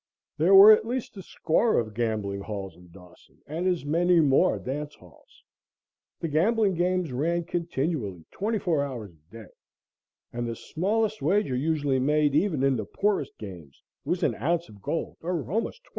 There were at least a score of gambling halls in Dawson and as many more dance halls. The gambling games ran continually twenty four hours a day, and the smallest wager usually made, even in the poorest games, was an ounce of gold, or almost $20.